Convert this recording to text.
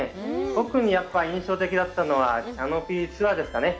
特に印象的だったのはキャノピーツアーですかね。